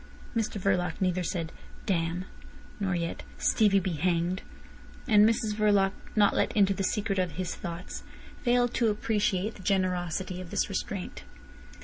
Mr Verloc neither said, "Damn!" nor yet "Stevie be hanged!" And Mrs Verloc, not let into the secret of his thoughts, failed to appreciate the generosity of this restraint.